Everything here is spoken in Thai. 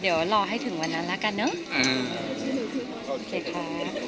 เดี๋ยวรอให้ถึงวันนั้นละกันเนอะ